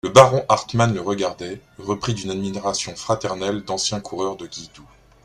Le baron Hartmann le regardait, repris d'une admiration fraternelle d'ancien coureur de guilledou.